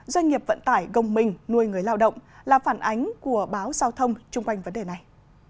doanh nghiệp vận tải gồng mình nuôi người lao động là phản ánh của báo giao thông chung quanh vấn đề này